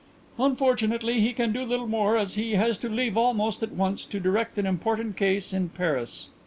"Unfortunately he can do little more as he has to leave almost at once to direct an important case in Paris."